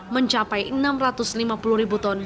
mencapai enam ratus lima puluh ribu ton